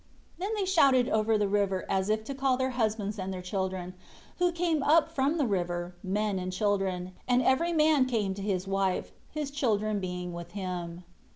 7 Then they shouted over the river as if to call their husbands and their children, who came up from the river, men and children; and every man came to his wife, his children being with him.